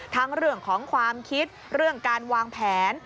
เรื่องของความคิดเรื่องการวางแผน